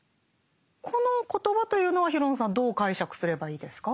この言葉というのは廣野さんどう解釈すればいいですか？